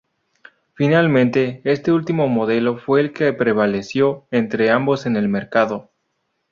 Finalmente, este último modelo fue el que prevaleció entre ambos en el mercado.